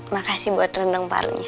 makasih buat rendang parunya